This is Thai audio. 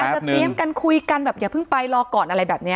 จะเตรียมกันคุยกันแบบอย่าเพิ่งไปรอก่อนอะไรแบบนี้